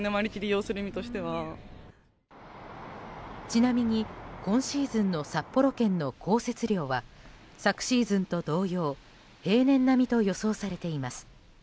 ちなみに今シーズンの札幌圏の降雪量は昨シーズンと同様平年並みと予想されています。